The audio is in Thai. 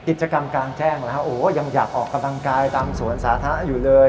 กิจกรรมกลางแจ้งแล้วโอ้โหยังอยากออกกำลังกายตามสวนสาธารณะอยู่เลย